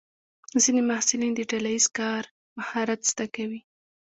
ځینې محصلین د ډله ییز کار مهارت زده کوي.